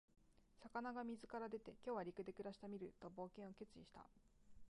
魚が水から出て、「今日は陸で暮らしてみる」と冒険を決意した。